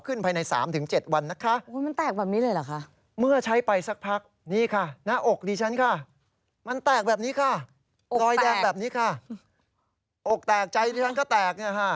รอยแดงแบบนี้ค่ะออกแตกใจที่ฉันก็แตกนี่ค่ะออกแตก